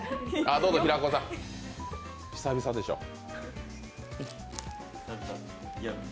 平子さん、久々でしょう。。